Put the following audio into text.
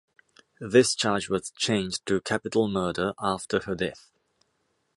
This charge was changed to capital murder after her death.